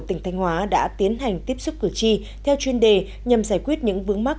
tỉnh thanh hóa đã tiến hành tiếp xúc cử tri theo chuyên đề nhằm giải quyết những vướng mắt